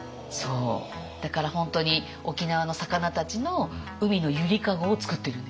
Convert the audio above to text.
だから本当に沖縄の魚たちの海の揺りかごを作ってるんですよ。